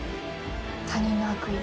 他人の悪意に。